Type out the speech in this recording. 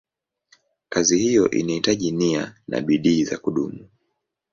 Kazi hiyo inahitaji nia na bidii za kudumu.